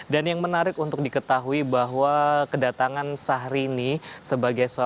dan yang menarik untuk diketahui bahwa kedatangan syahrini sebagai seorang